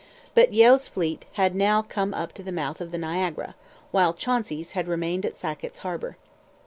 But Yeo's fleet had now come up to the mouth of the Niagara, while Chauncey's had remained at Sackett's Harbour.